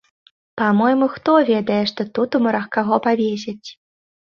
Па-мойму, хто ведае, што тут у мурах каго павесяць?